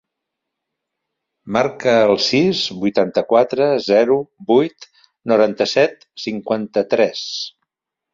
Marca el sis, vuitanta-quatre, zero, vuit, noranta-set, cinquanta-tres.